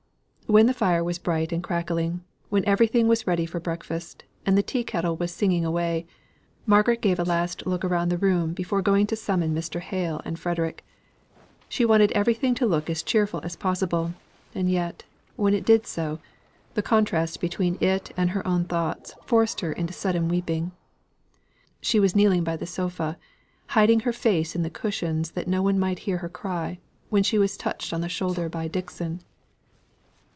When the fire was bright and crackling when everything was ready for breakfast, and the tea kettle was singing away, Margaret gave a last look round the room before going to summon Mr. Hale and Frederick. She wanted everything to look as cheerful as possible; and yet, when it did so, the contrast between it and her own thoughts forced her into sudden weeping. She was kneeling by the sofa, hiding her face in the cushions that no one might hear her cry, when she was touched on the shoulder by Dixon.